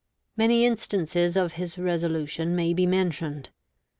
Many instances of his resolution may be mentioned.